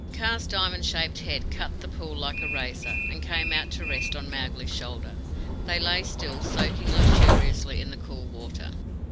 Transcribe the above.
Kaa's diamond shaped head cut the pool like a razor, and came out to rest on Mowgli's shoulder. They lay still, soaking luxuriously in the cool water.